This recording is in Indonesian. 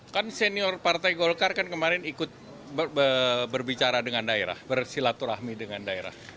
kan senior partai golkar kan kemarin ikut berbicara dengan daerah bersilaturahmi dengan daerah